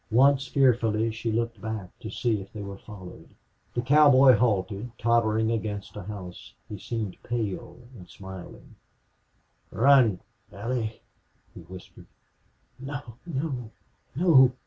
Once, fearfully, she looked back, to see if they were followed. The cowboy halted, tottering against a house, He seemed pale and smiling. "Run Allie!" he whispered. "No no no!"